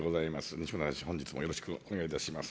西村大臣、本日もよろしくお願いいたします。